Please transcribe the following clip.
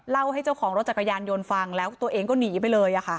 เล่าให้เจ้าของรถจักรยานยนต์ฟังแล้วตัวเองก็หนีไปเลย